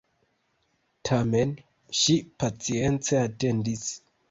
Tamen ŝi pacience atendis.